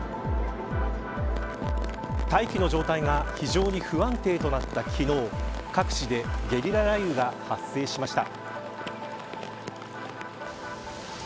大気の状態が非常に不安定となった昨日各地でゲリラ雷雨が発生しました。